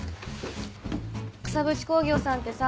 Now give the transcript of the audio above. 草渕工業さんってさ。